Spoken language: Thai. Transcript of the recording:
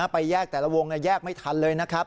ไปแยกแต่ละวงแยกไม่ทันเลยนะครับ